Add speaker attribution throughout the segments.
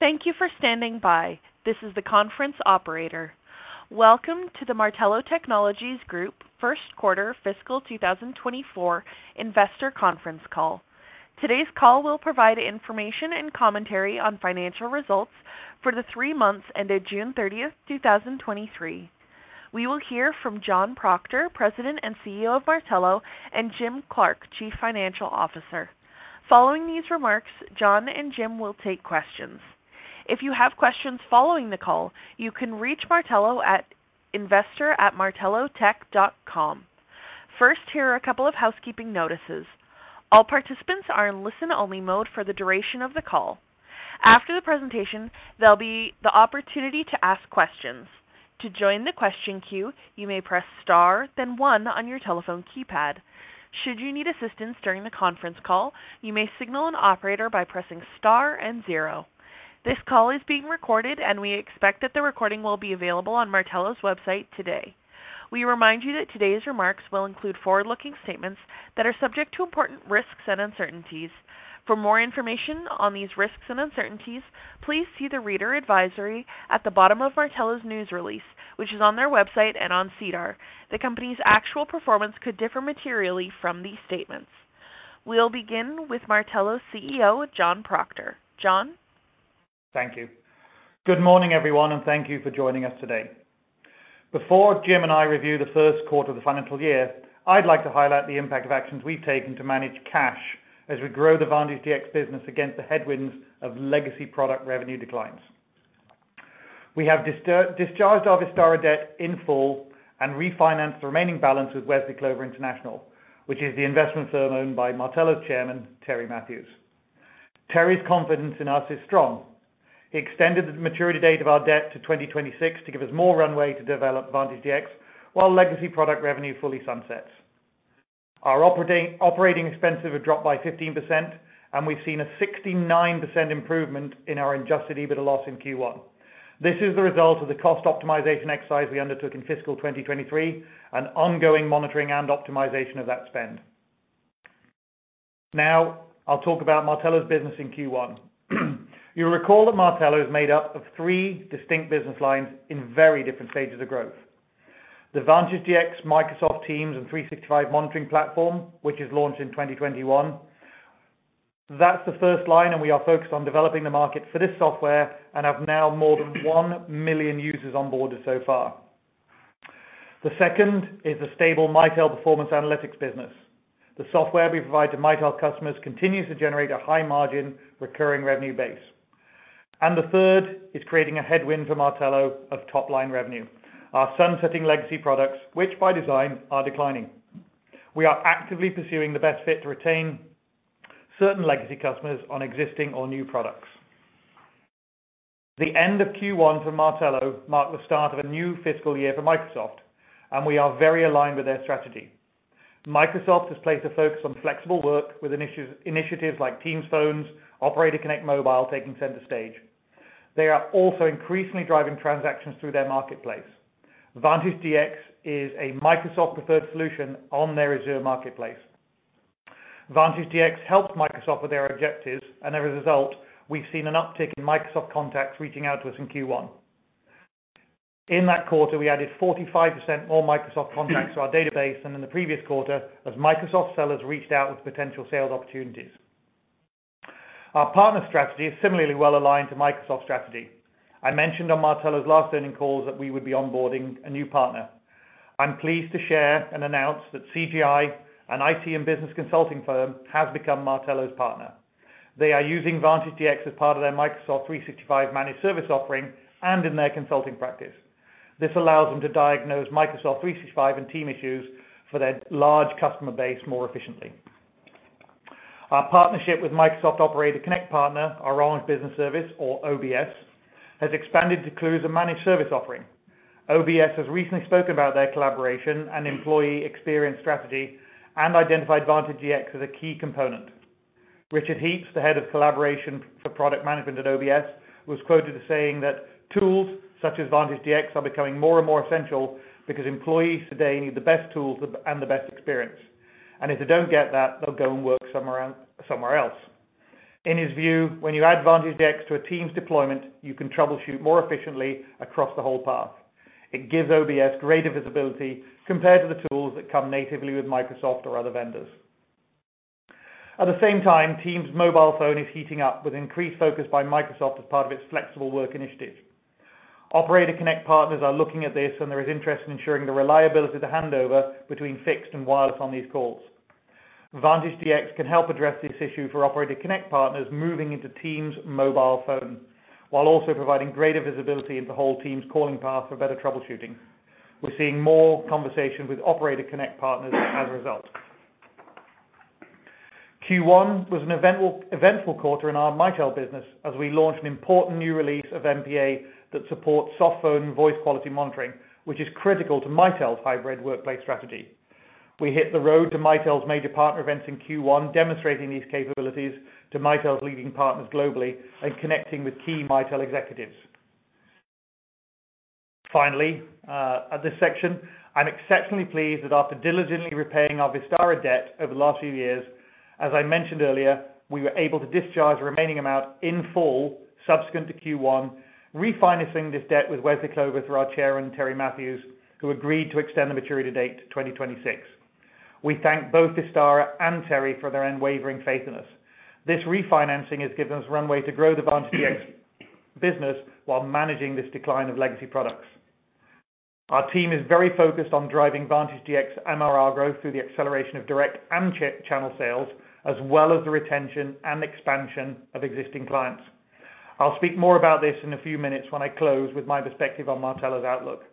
Speaker 1: Thank you for standing by. This is the conference operator. Welcome to the Martello Technologies Group Q1 Fiscal 2024 Investor Conference Call. Today's call will provide Information and Commentary on Financial Results for the three months ended June 30, 2023. We will hear from John Proctor, President and CEO of Martello, and Jim Clark, Chief Financial Officer. Following these remarks, John and Jim will take questions. If you have questions following the call, you can reach Martello at investor@martellotech.com. First, here are a couple of housekeeping notices. All participants are in listen-only mode for the duration of the call. After the presentation, there'll be the opportunity to ask questions. To join the question queue, you may press Star, then one on your telephone keypad. Should you need assistance during the conference call, you may signal an operator by pressing Star and zero. This call is being recorded, and we expect that the recording will be available on Martello's website today. We remind you that today's remarks will include forward-looking statements that are subject to important risks and uncertainties. For more information on these risks and uncertainties, please see the reader advisory at the bottom of Martello's news release, which is on their website and on SEDAR. The company's actual performance could differ materially from these statements. We'll begin with Martello's CEO, John Proctor. John?
Speaker 2: Thank you. Good morning, everyone, thank you for joining us today. Before Jim and I review the Q1 of the financial year, I'd like to highlight the impact of actions we've taken to manage cash as we grow the Vantage DX business against the headwinds of legacy product revenue declines. We have discharged our Vistara debt in full and refinanced the remaining balance with Wesley Clover International, which is the investment firm owned by Martello's Chairman, Terry Matthews. Terry's confidence in us is strong. He extended the maturity date of our Debt to 2026 to give us more runway to develop Vantage DX, while Legacy Product Revenue fully sunsets. Our operating expenses have dropped by 15%, and we've seen a 69% improvement in our adjusted EBITDA loss in Q1. This is the result of the cost optimization exercise we undertook in fiscal 2023 and ongoing monitoring and optimization of that spend. Now, I'll talk about Martello's business in Q1. You'll recall that Martello is made up of three distinct business lines in very different stages of growth. The Vantage DX, Microsoft Teams, and 365 Monitoring Platform, which is launched in 2021. That's the first line, and we are focused on developing the market for this software and have now more than 1 million users on board so far. The second is a stable Mitel Performance Analytics Business. The software we provide to Mitel customers continues to generate a high margin, recurring revenue base. The third is creating a headwind for Martello of top-line revenue, our Sunsetting Legacy Products, which by Design, are declining. We are actively pursuing the best fit to retain certain legacy customers on existing or new products. The end of Q1 for Martello marked the start of a new fiscal year for Microsoft, and we are very aligned with their strategy. Microsoft has placed a focus on Flexible Work with initiatives, initiatives like Teams Phones, Operator Connect Mobile, taking center stage. They are also increasingly driving transactions through their marketplace. Vantage DX is a Microsoft preferred solution on their Azure Marketplace. As a result, we've seen an uptick in Microsoft contacts reaching out to us in Q1. In that quarter, we added 45% more Microsoft contacts to our database than in the previous quarter, as Microsoft sellers reached out with potential sales opportunities. Our partner strategy is similarly well aligned to Microsoft's Strategy. I mentioned on Martello's last earning calls that we would be onboarding a new partner. I'm pleased to share and announce that CGI, an IT and business consulting firm, has become Martello's partner. They are using Vantage DX as part of their Microsoft 365 managed service offering and in their consulting practice. This allows them to diagnose Microsoft 365 and Teams issues for their large customer base more efficiently. Our partnership with Microsoft Operator Connect partner, Orange Business Services or OBS, has expanded to include a managed service offering. OBS has recently spoken about their collaboration and employee experience strategy and identified Vantage DX as a Key component. Richard Heaps, the Head of Collaboration for Product Management at OBS, was quoted as saying that, "Tools such as Vantage DX are becoming more and more essential because employees today need the best tools and the best experience. If they don't get that, they'll go and work somewhere else, somewhere else. In his view, when you add Vantage DX to a team's deployment, you can troubleshoot more efficiently across the whole path. It gives OBS greater visibility compared to the tools that come natively with Microsoft or other vendors. At the same time, Teams Phone Mobile is heating up with increased focus by Microsoft as part of its Flexible Work Initiative. Operator Connect Partners are looking at this, and there is interest in ensuring the reliability to hand over between fixed and wireless on these calls. Vantage DX can help address this issue for Operator Connect partners moving into Teams Phone Mobile, while also providing greater visibility into whole Teams calling path for better troubleshooting. We're seeing more conversations with Operator Connect partners as a result. Q1 was an eventful, eventful quarter in our Mitel business as we launched an important new release of MPA that supports soft phone and voice quality monitoring, which is critical to Mitel's hybrid workplace strategy. We hit the road to Mitel's Major Partner Events in Q1, demonstrating these capabilities to Mitel's leading partners globally and connecting with key Mitel executives. Finally, at this section, I'm exceptionally pleased that after diligently repaying our Vistara Debt over the last few years, as I mentioned earlier, we were able to discharge the remaining amount in full subsequent to Q1, refinancing this debt with Wesley Clover through our Chairman, Terry Matthews, who agreed to extend the maturity date to 2026. We thank both Vistara and Terry for their unwavering faith in us. This refinancing has given us runway to grow the Vantage DX business while managing this decline of Legacy Products. Our team is very focused on driving Vantage DX MRR growth through the acceleration of direct and indirect channel sales, as well as the retention and expansion of existing clients. I'll speak more about this in a few minutes when I close with my perspective on Martello's outlook.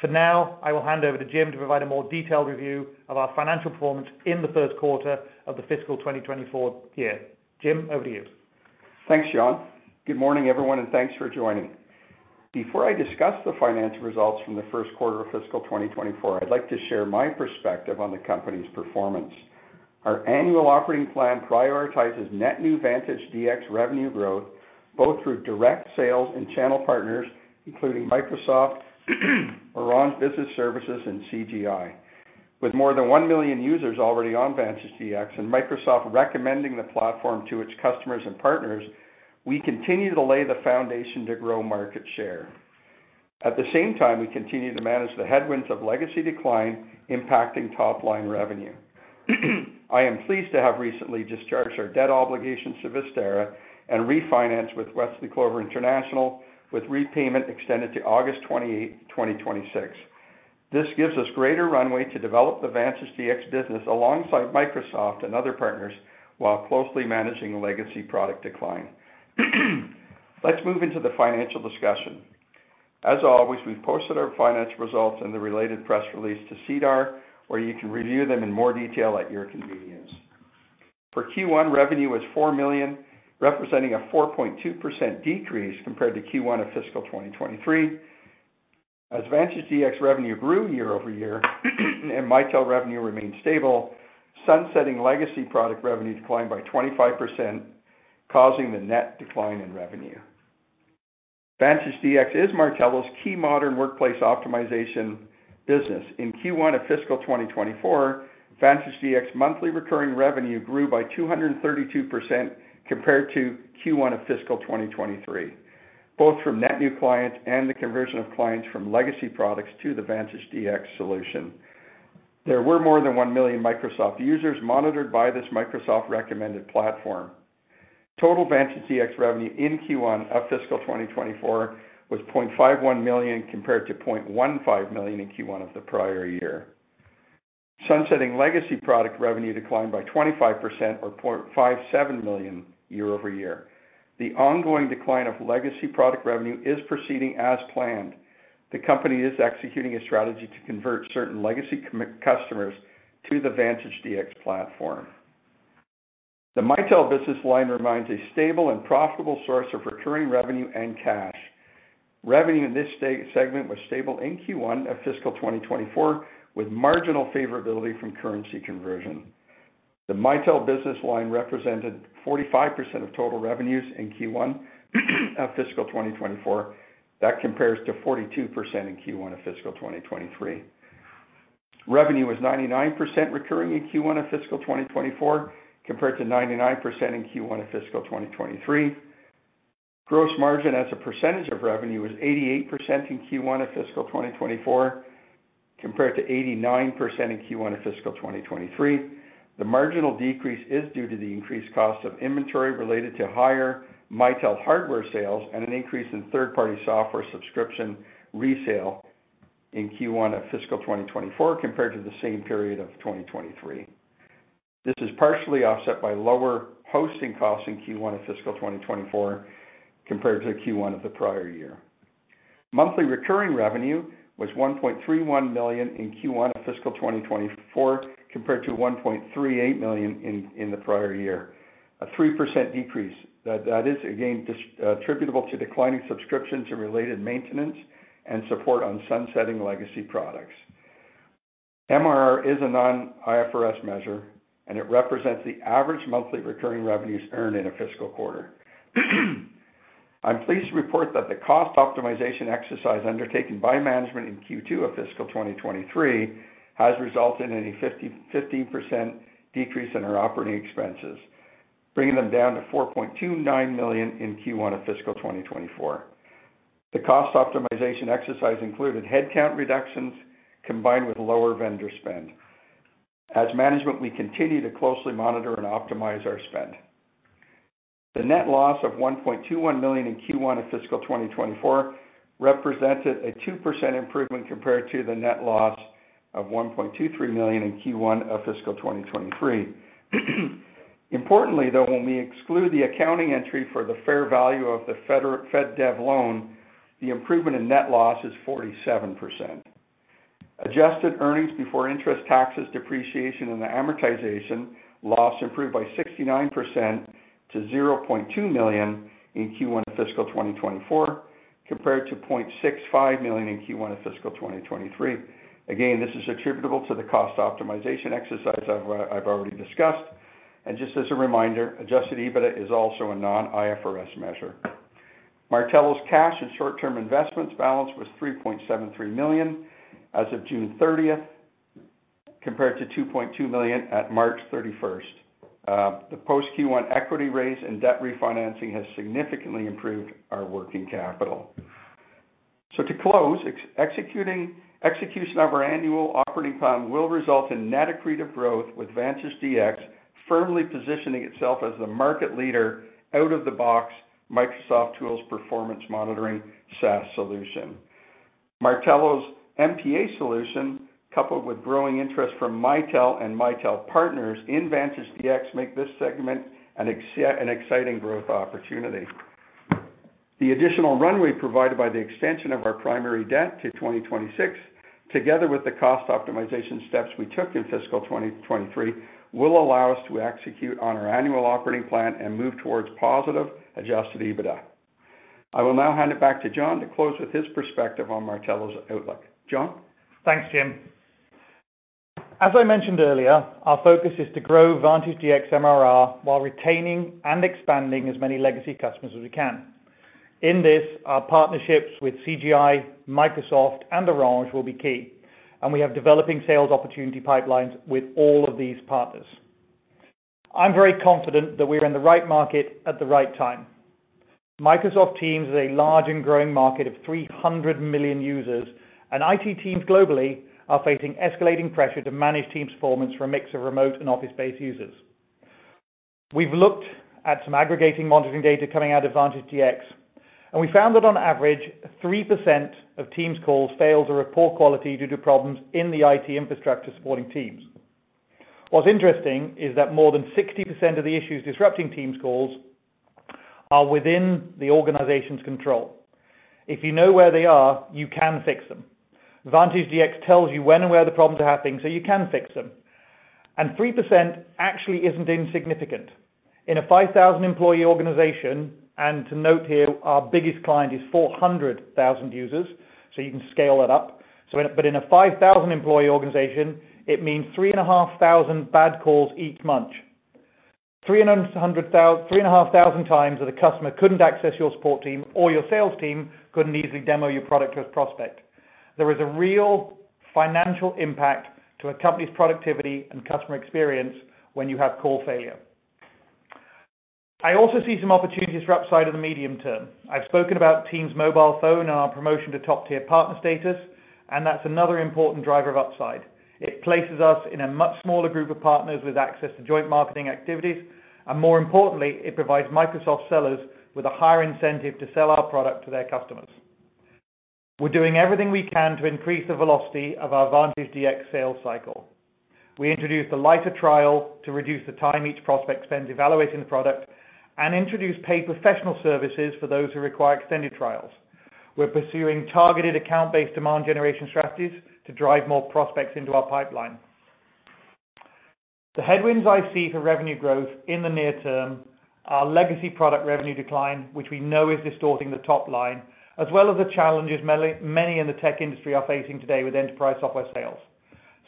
Speaker 2: For now, I will hand over to Jim to provide a more detailed review of our financial performance in the Q1 of the fiscal 2024 year. Jim, over to you.
Speaker 3: Thanks, John. Good morning, everyone, and thanks for joining. Before I discuss the financial results from the Q1 of Fiscal 2024, I'd like to share my perspective on the company's performance. Our annual operating plan prioritizes net new Vantage DX revenue growth, both through direct sales and channel partners, including Microsoft, Orange Business Services, and CGI. With more than 1 million users already on Vantage DX and Microsoft recommending the platform to its customers and partners, we continue to lay the foundation to grow market share. At the same time, we continue to manage the headwinds of legacy decline, impacting top-line revenue. I am pleased to have recently discharged our debt obligations to Vistara and refinance with Wesley Clover International, with repayment extended to August 28, 2026. This gives us greater runway to develop the Vantage DX business alongside Microsoft and other partners, while closely managing the legacy product decline. Let's move into the financial discussion. As always, we've posted our financial results and the related press release to SEDAR, where you can review them in more detail at your convenience. For Q1, revenue was 4 million, representing a 4.2% decrease compared to Q1 of fiscal 2023. Vantage DX revenue grew year-over-year, and Mitel revenue remained stable, sunsetting legacy product revenue declined by 25%, causing the net decline in revenue. Vantage DX is Martello's key modern workplace optimization business. In Q1 of fiscal 2024, Vantage DX monthly recurring revenue grew by 232% compared to Q1 of fiscal 2023, both from net new clients and the conversion of clients from legacy products to the Vantage DX solution. There were more than 1 million Microsoft users monitored by this Microsoft-recommended platform. Total Vantage DX revenue in Q1 of Fiscal 2024 was $0.51 million, compared to $0.15 million in Q1 of the prior year. Sunsetting legacy product revenue declined by 25% or $0.57 million year-over-year. The ongoing decline of legacy product revenue is proceeding as planned. The company is executing a strategy to convert certain legacy customers to the Vantage DX platform. The Mitel business line remains a stable and profitable source of recurring revenue and cash. Revenue in this segment was stable in Q1 of fiscal 2024, with marginal favorability from currency conversion. The Mitel business line represented 45% of total revenues in Q1 of fiscal 2024. That compares to 42% in Q1 of fiscal 2023. Revenue was 99% recurring in Q1 of fiscal 2024, compared to 99% in Q1 of fiscal 2023. Gross margin as a percentage of revenue, was 88% in Q1 of fiscal 2024, compared to 89% in Q1 of fiscal 2023. The marginal decrease is due to the increased cost of Inventory related to higher Mitel hardware sales and an increase in third-party software subscription resale in Q1 of fiscal 2024, compared to the same period of 2023. This is partially offset by lower hosting costs in Q1 of fiscal 2024, compared to Q1 of the prior year. Monthly recurring revenue was $1.31 million in Q1 of fiscal 2024, compared to $1.38 million in the prior year. A 3% decrease. That is again, attributable to declining subscriptions and related maintenance and support on sunsetting legacy products. MRR is a non-IFRS measure, and it represents the average monthly recurring revenues earned in a fiscal quarter. I'm pleased to report that the cost optimization exercise undertaken by management in Q2 of fiscal 2023, has resulted in a 15% decrease in our operating expenses, bringing them down to $4.29 million in Q1 of fiscal 2024. The cost optimization exercise included headcount reductions combined with Lower Vendor spend. As management, we continue to closely monitor and optimize our spend. The net loss of 1.21 million in Q1 of fiscal 2024, represented a 2% improvement compared to the net loss of 1.23 million in Q1 of fiscal 2023. Importantly, though, when we exclude the accounting entry for the fair value of the FedDev loan, the improvement in net loss is 47%. Adjusted earnings before interest, taxes, depreciation, and amortization, loss improved by 69% to 0.2 million in Q1 of Fiscal 2024, compared to 0.65 million in Q1 of fiscal 2023. Again, this is attributable to the cost optimization exercise I've already discussed. Just as a reminder, adjusted EBITDA is also a non-IFRS measure. Martello's cash and short-term investments balance was $3.73 million as of June 30th, compared to $2.2 million at March 31st. The post Q1 equity raise and debt refinancing has significantly improved our working capital. To close, execution of our annual operating plan will result in net accretive growth, with Vantage DX firmly positioning itself as the market leader out-of-the-box Microsoft tools performance monitoring SaaS solution. Martello's MPA solution, coupled with growing interest from Mitel and Mitel partners in Vantage DX, make this segment an exciting growth opportunity. The additional runway provided by the extension of our primary debt to 2026, together with the cost optimization steps we took in fiscal 2023, will allow us to execute on our Annual Operating Plan and move towards Positive Adjusted EBITDA. I will now hand it back to John to close with his perspective on Martello's outlook. John?
Speaker 2: Thanks, Jim. As I mentioned earlier, our focus is to grow Vantage DX MRR while retaining and expanding as many legacy customers as we can. In this, our partnerships with CGI, Microsoft and Orange will be key. We have developing sales opportunity pipelines with all of these partners. I'm very confident that we're in the right market at the right time. Microsoft Teams is a large and growing market of 300 million users. IT teams globally are facing escalating pressure to manage Teams performance for a mix of remote and office-based users. We've looked at some aggregating monitoring data coming out of Vantage DX. We found that on average, 3% of Teams calls fail or are poor quality due to problems in the IT Infrastructure Supporting Teams. What's interesting is that more than 60% of the issues disrupting Teams calls are within the organization's control. If you know where they are, you can fix them. Vantage DX tells you when and where the problems are happening, so you can fix them. 3% actually isn't insignificant. In a 5,000 employee organization, and to note here, our biggest client is 400,000 users, so you can scale that up. But in a 5,000 employee organization, it means 3,500 bad calls each month. 3,500x that a customer couldn't access your support team, or your sales team couldn't easily demo your product to a prospect. There is a real financial impact to a company's productivity and customer experience when you have call failure. I also see some opportunities for upside in the medium term. I've spoken about Teams Phone Mobile and our promotion to top-tier partner status, and that's another important driver of upside. It places us in a much smaller group of partners with access to joint marketing activities, and more importantly, it provides Microsoft sellers with a higher incentive to sell our product to their customers. We're doing everything we can to increase the velocity of our Vantage DX sales cycle. We introduced a lighter trial to reduce the time each prospect spends evaluating the product and introduce paid professional services for those who require extended trials. We're pursuing targeted account-based demand generation strategies to drive more prospects into our Pipeline. The headwinds I see for Revenue Growth in the near term are legacy product revenue decline, which we know is distorting the top line, as well as the challenges many, many in the tech industry are facing today with enterprise software sales.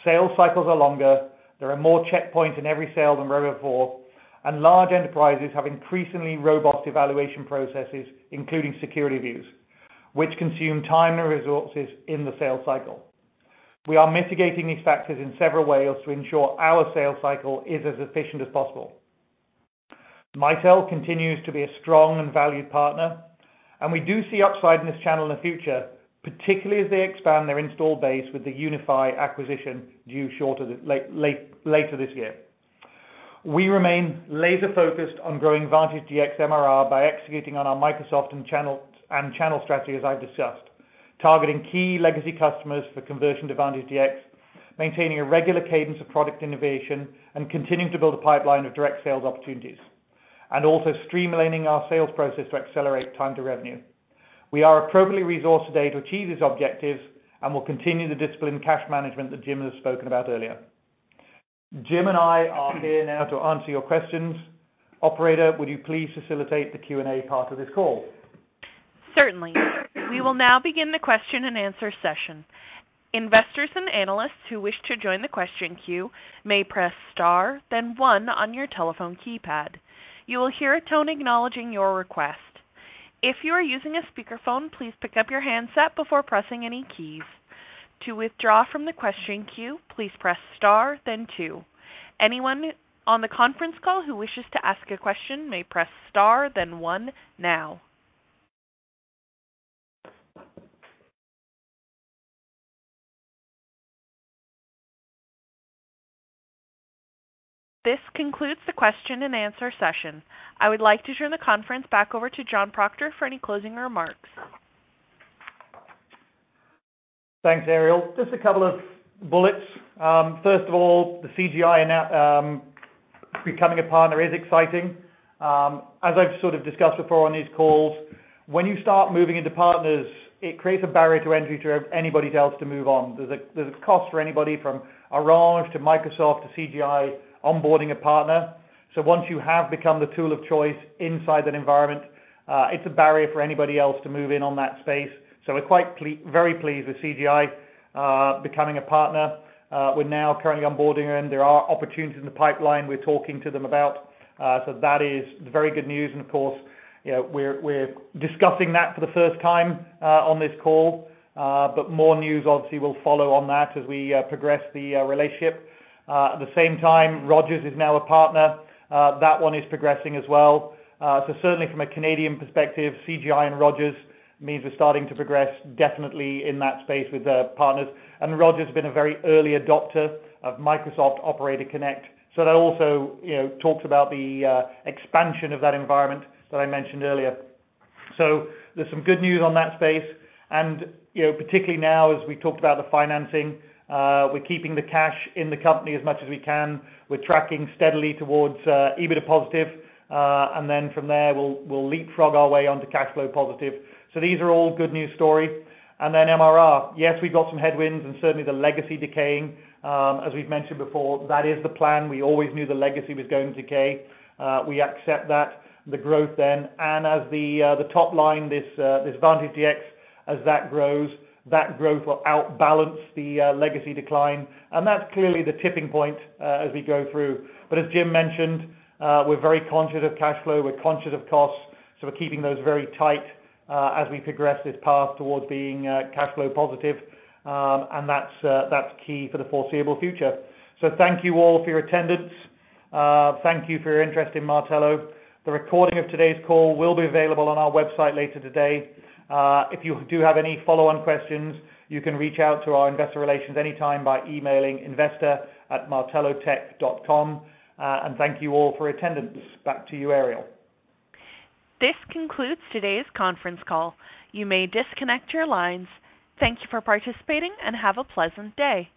Speaker 2: Sales cycles are longer, there are more checkpoints in every sale than ever before, and large enterprises have increasingly robust evaluation processes, including security reviews, which consume time and resources in the sales cycle. We are mitigating these factors in several ways to ensure our sales cycle is as efficient as possible. Mitel continues to be a strong and valued partner, and we do see upside in this channel in the future, particularly as they expand their install base with the Unify acquisition due shorter, later this year. We remain laser-focused on growing Vantage DX MRR by executing on our Microsoft and channel, and channel strategy, as I've discussed, targeting key legacy customers for conversion to Vantage DX, maintaining a regular Cadence of product innovation, and continuing to build a pipeline of direct sales opportunities, and also streamlining our sales process to accelerate time to revenue. We are appropriately resourced today to achieve these objectives, and we'll continue the disciplined cash management that Jim has spoken about earlier. Jim and I are here now to answer your questions. Operator, would you please facilitate the Q&A part of this call?
Speaker 1: Certainly. We will now begin the question-and-answer session. Investors and analysts who wish to join the question queue may press star, then one on your telephone keypad. You will hear a tone acknowledging your request. If you are using a speakerphone, please pick up your handset before pressing any keys. To withdraw from the question queue, please press star, then two. Anyone on the Conference Call who wishes to ask a question may press star, then one now. This concludes the question-and-answer session. I would like to turn the conference back over to John Proctor for any closing remarks.
Speaker 2: Thanks, Ariel. Just a couple of bullets. First of all, the CGI becoming a partner is exciting. As I've sort of discussed before on these calls, when you start moving into partners, it creates a barrier to entry to anybody else to move on. There's a, there's a cost for anybody from Orange to Microsoft to CGI onboarding a Partner. Once you have become the tool of choice inside that environment, it's a barrier for anybody else to move in on that space. We're quite very pleased with CGI becoming a partner. We're now currently onboarding them. There are opportunities in the Pipeline we're talking to them about. That is very good news. Of course, you know, we're discussing that for the first time on this call. More news obviously will follow on that as we progress the relationship. At the same time, Rogers is now a partner. That one is progressing as well. Certainly from a Canadian perspective, CGI and Rogers means we're starting to progress definitely in that space with their partners. Rogers has been a very early adopter of Microsoft Operator Connect. That also, you know, talks about the expansion of that environment that I mentioned earlier. There's some good news on that space. You know, particularly now, as we talked about the financing, we're keeping the cash in the company as much as we can. We're tracking steadily towards EBITDA positive, and then from there, we'll, we'll leapfrog our way onto cash flow positive. These are all good news stories. Then MRR, yes, we've got some headwinds and certainly the legacy decaying. As we've mentioned before, that is the plan. We always knew the legacy was going to decay. We accept that, the growth then, and as the the top line, this Vantage DX, as that grows, that growth will outbalance the legacy decline. That's clearly the tipping point, as we go through. As Jim mentioned, we're very conscious of cash flow, we're conscious of costs, so we're keeping those very tight, as we progress this path towards being cash flow positive. That's, that's key for the foreseeable future. Thank you all for your attendance. Thank you for your interest in Martello. The recording of today's call will be available on our website later today. If you do have any follow-on questions, you can reach out to our investor relations anytime by emailing, investor@martellotech.com. Thank you all for attendance. Back to you, Ariel.
Speaker 1: This concludes today's Conference Call. You may disconnect your lines. Thank you for participating, and have a pleasant day!